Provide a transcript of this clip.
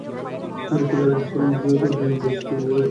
এতে গাড়িটির সামনে থাকা দুই ব্যবসায়ী চাপা পড়ে ঘটনাস্থলেই মারা যান।